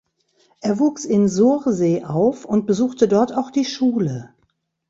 Er wuchs in Sursee auf und besuchte dort auch die Schule.